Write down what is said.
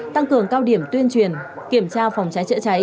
tăng cường cao điểm tuyên truyền kiểm tra phòng trái trợ trái